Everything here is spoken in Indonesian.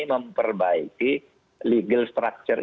memperbaiki legal structure